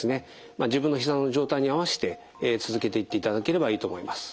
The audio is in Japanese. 自分のひざの状態に合わせて続けていっていただければいいと思います。